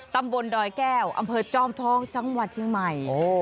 ตำบลดอยแก้วอำเภอจอมทองจังหวัดเชียงใหม่